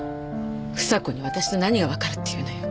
房子にわたしの何が分かるっていうのよ？